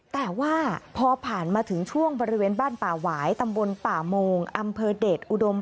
แต่ว่าพอผ่านมาถึงช่วงบริเวณบ้านป่าหวายตำบลป่าโมงอำเภอเดชอุดม